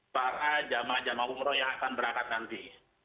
para jemaah jemaah umroh yang akan berangkat nanti